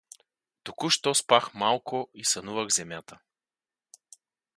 Току-що спах малко и сънувах Земята.